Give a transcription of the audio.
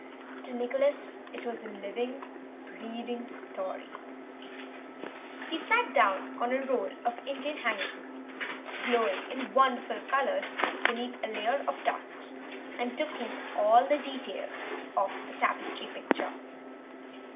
To Nicholas it was a living, breathing story; he sat down on a roll of Indian hangings, glowing in wonderful colours beneath a layer of dust, and took in all the details of the tapestry picture.